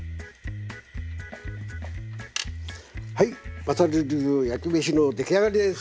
はいまさる流焼き飯の出来上がりです！